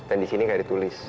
dan disini gak ditulis